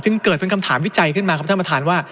เกิดเป็นคำถามวิจัยขึ้นมาครับท่านประธานว่า